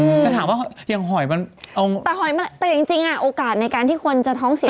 จะถามว่าอย่างหอยมันแต่หอยมันแต่จริงจริงอ่ะโอกาสในการที่คนจะท้องเสีย